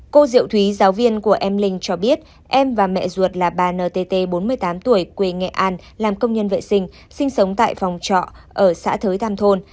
cô diệu thúy giáo viên của em linh cho biết em và mẹ ruột là bà ntt bốn mươi tám tuổi quê nghệ an làm công nhân vệ sinh sinh sống tại phòng trọ ở xã thới than thôn